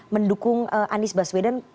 mendukung anies baswedan